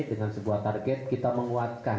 dengan sebuah target kita menguatkan